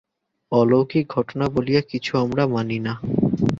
অলৌকিক ঘটনা বলিয়া কিছু আমরা মানি না।